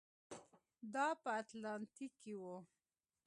دا په اتلانتیک کې و.